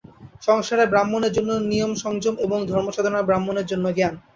সংসারে ব্রাহ্মণের জন্য নিয়মসংযম এবং ধর্মসাধনায় ব্রাহ্মণের জন্য জ্ঞান।